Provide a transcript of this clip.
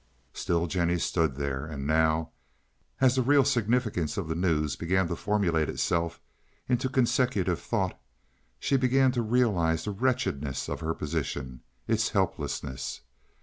Still Jennie stood there, and now, as the real significance of the news began to formulate itself into consecutive thought, she began to realize the wretchedness of her position, its helplessness.